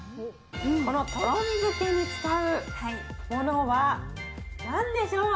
この、とろみづけに使うものは何でしょう？